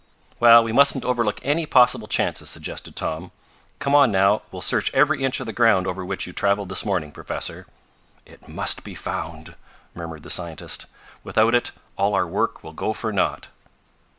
"Well, we mustn't overlook any possible chances," suggested Tom. "Come on now, we'll search every inch of the ground over which you traveled this morning, Professor." "It MUST be found," murmured the scientist. "Without it all our work will go for naught."